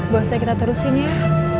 gak usah kita terusin ya